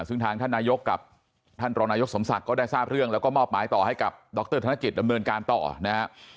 ซึ่งทางท่านนายกกับท่านรองนายกสมศักดิ์ก็ได้ทราบเรื่องแล้วก็มอบหมายต่อให้กับดรธนกิจดำเนินการต่อนะครับ